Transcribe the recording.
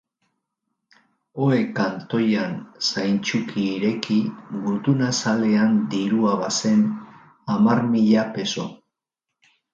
Ohe kantoian zaintsuki ireki gutun-azalean dirua bazen, hamar mila peso.